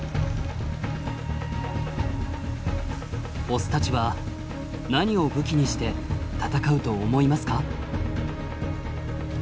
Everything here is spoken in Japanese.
オスたちは何を武器にして戦うと思いますか？